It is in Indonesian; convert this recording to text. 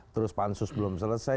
terus pansus belum selesai